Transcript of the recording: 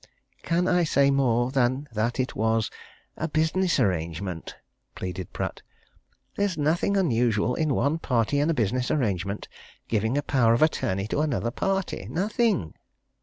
"Can I say more than that it was a business arrangement?" pleaded Pratt. "There's nothing unusual in one party in a business arrangement giving a power of attorney to another party. Nothing!"